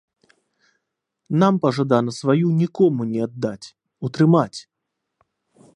Нам пажадана сваю нікому не аддаць, утрымаць.